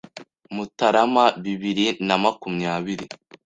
Mutarama bibiri na makumyabiri